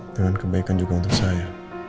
dengan kebaikan juga untuk saya